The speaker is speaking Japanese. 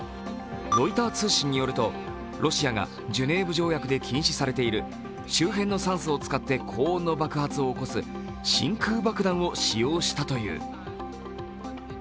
ロイター通信によるとロシアがジュネーブ条約で禁止されている周辺の酸素を使って高温の爆発を起こす真空爆弾を使用したという。